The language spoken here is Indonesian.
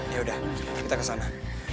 ya udah kita ke sana